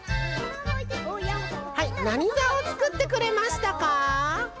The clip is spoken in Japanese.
はいなにざをつくってくれましたか？